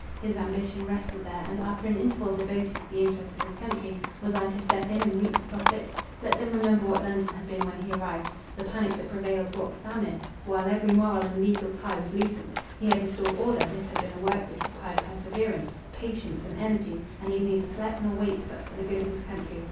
His ambition rested there; and, after an interval devoted to the interests of his country, was I to step in, and reap the profit? Let them remember what London had been when he arrived: the panic that prevailed brought famine, while every moral and legal tie was loosened. He had restored order—this had been a work which required perseverance, patience, and energy; and he had neither slept nor waked but for the good of his country.